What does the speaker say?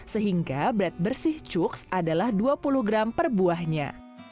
sehingga berat bersih cuks adalah dua puluh gram per buahnya